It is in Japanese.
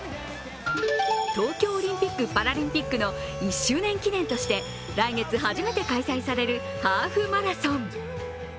東京オリンピック・パラリンピックの１周年記念として来月初めて開催されるハーフマラソン。